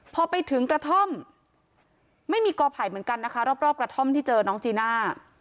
พอไปถึงกระท่อมไม่มีกอไผ่เหมือนกันนะคะรอบกระท่อมที่เจอน้องจีน่า